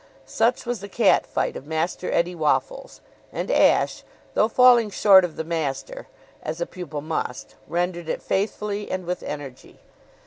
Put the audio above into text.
Such was the cat fight of Master Eddie Waffles; and Ashe, though falling short of the master, as a pupil must, rendered it faithfully and with energy.